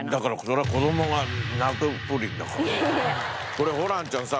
これホランちゃんさ